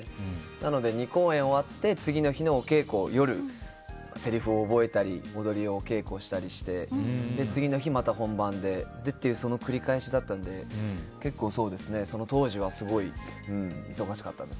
なので、２公演が終わって次の日のお稽古を夜せりふを覚えたり踊りをお稽古したりして次の日また本番でという繰り返しだったので結構、その当時はすごい忙しかったです。